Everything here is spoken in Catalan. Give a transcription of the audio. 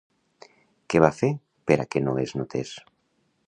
Què va fer per a què no es notés?